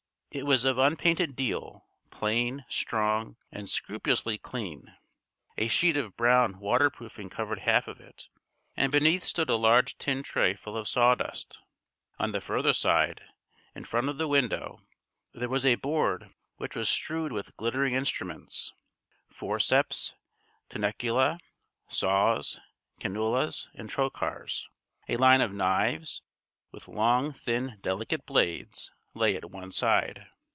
It was of unpainted deal, plain, strong, and scrupulously clean. A sheet of brown water proofing covered half of it, and beneath stood a large tin tray full of sawdust. On the further side, in front of the window, there was a board which was strewed with glittering instruments forceps, tenacula, saws, canulas, and trocars. A line of knives, with long, thin, delicate blades, lay at one side.